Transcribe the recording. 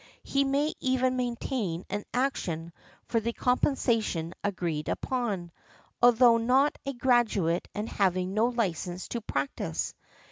He may even maintain an action for the compensation agreed upon, although not a graduate and having no license to practise.